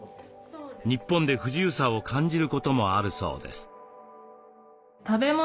日本で不自由さを感じることもあるそうです。